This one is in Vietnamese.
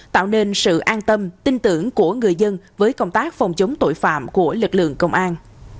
tạo nên sự an tâm tin tưởng của người dân với công tác phòng chống tội phạm của lực lượng công an